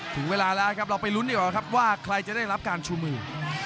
ถึงเวลาแล้วครับเราไปลุ้นดีกว่าครับว่าใครจะได้รับการชูมือ